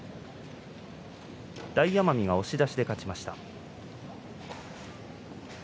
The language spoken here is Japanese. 大奄美が押し出しで勝ちました。